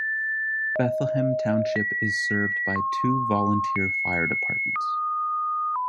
Bethlehem Township is served by two volunteer fire departments.